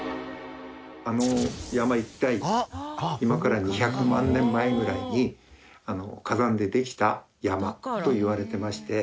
あの山一帯今から２００万年前ぐらいに火山でできた山といわれてまして。